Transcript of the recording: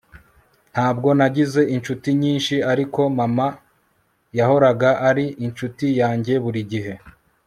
ntabwo nagize inshuti nyinshi ariko mama yahoraga ari inshuti yanjye buri gihe